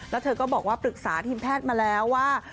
แล้วเธอก็บอกว่าปรึกษาทีมแพทย์มาแล้วว่า